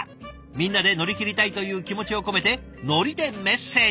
みんなで乗り切りたいという気持ちを込めて海苔でメッセージを。